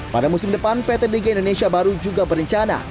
pada musim depan pt dg indonesia baru juga berencana